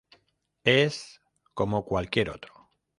Es como cualquier otro.